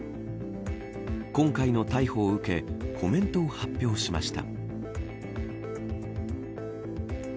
今回の逮捕を受けコメントを発表しました。